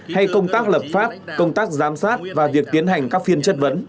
hay công tác lập pháp công tác giám sát và việc tiến hành các phiên chất vấn